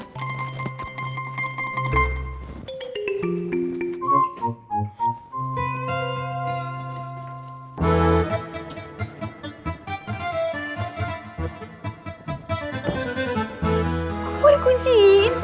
kok gue dikunciin sih